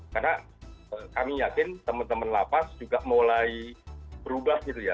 karena kami yakin teman teman lapas juga mulai berubah gitu ya